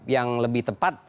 yang lebih tepat